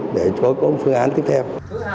để có phương án tiếp cận